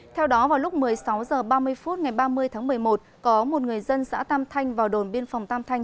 theo đó vào lúc một mươi sáu h ba mươi phút ngày ba mươi tháng một mươi một có một người dân xã tam thanh vào đồn biên phòng tam thanh